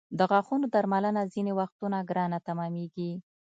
د غاښونو درملنه ځینې وختونه ګرانه تمامېږي.